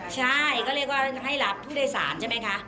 ใช่ก็เรียกว่าให้รับผู้โดยสารใช่ไหมคะ